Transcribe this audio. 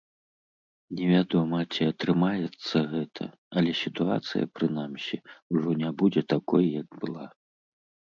Невядома, ці атрымаецца гэта, але сітуацыя, прынамсі, ужо не будзе такой, як была.